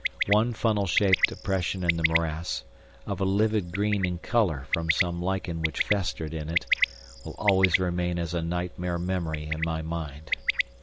One funnel shaped depression in the morass, of a livid green in color from some lichen which festered in it, will always remain as a nightmare memory in my mind.